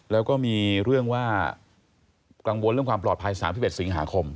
แล้วก็มีเรื่องว่ากังวลเรื่องความปลอดภัย๓๑สิงหาคม